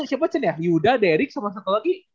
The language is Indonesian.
siapa cendya liuda derick sama satu lagi